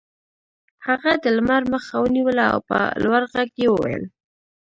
هغه د لمر مخه ونیوله او په لوړ غږ یې وویل